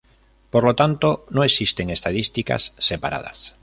Por lo tanto, no existen estadísticas separadas.